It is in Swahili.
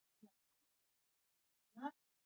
maria tudor alikuwa dada yake elizabeth